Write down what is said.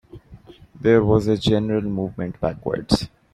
There was a general movement backwards.